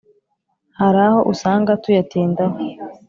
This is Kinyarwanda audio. Hari aho usanga tuyatindaho,